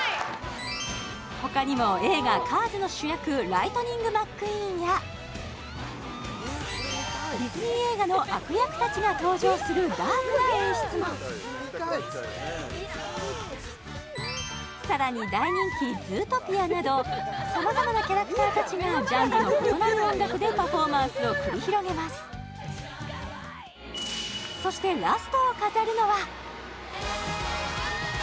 ほかにも映画「カーズ」の主役ライトニング・マックィーンやディズニー映画の悪役たちが登場するダークな演出もさらに大人気「ズートピア」など様々なキャラクターたちがジャンルの異なる音楽でパフォーマンスを繰り広げますそしてハハッ！